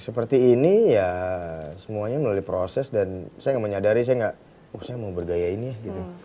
seperti ini ya semuanya melalui proses dan saya gak menyadari saya mau bergaya ini ya gitu